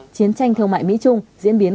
chiến tranh thương mại mỹ trung diễn biến